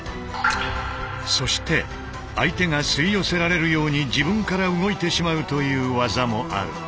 そして相手が吸い寄せられるように自分から動いてしまうという技もある。